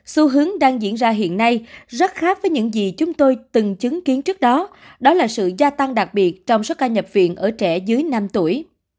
xu hướng đang diễn ra hiện nay rất khác với những gì chúng tôi từng chứng kiến trước đó đó là sự gia tăng đặc biệt trong số ca nhập viện ở trẻ dưới năm tuổi